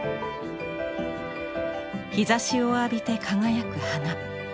日ざしを浴びて輝く花。